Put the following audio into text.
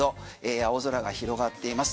青空が広がっています。